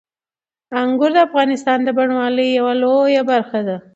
انګور د افغانستان د بڼوالۍ یوه لویه برخه ده.